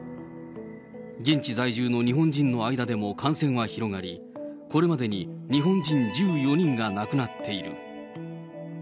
現地在住の日本人の間でも感染は広がり、これまでに日本人１４人が亡くなっている。